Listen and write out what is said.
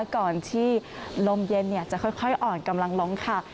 ก่อนที่ลมเย็นจะค่อยอ่อนกำลังลงค่ะ